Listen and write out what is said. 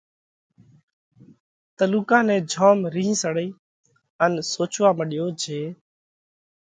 تلُوڪا نئہ جوم رِينه سڙئِي ان سوچوا مڏيو جي